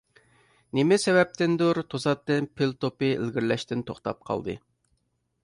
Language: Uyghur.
نېمە سەۋەبتىندۇر، توساتتىن پىل توپى ئىلگىرىلەشتىن توختاپ قالدى.